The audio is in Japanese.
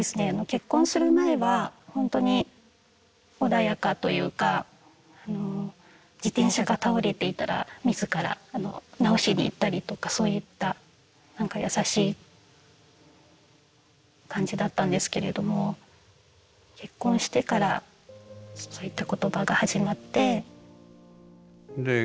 結婚する前はほんとに穏やかというかあの自転車が倒れていたら自ら直しに行ったりとかそういったなんか優しい感じだったんですけれども結婚してからそういった言葉が始まって。